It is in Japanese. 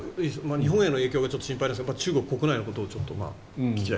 日本への影響がちょっと心配ですが中国国内のことをちょっと聞きたい。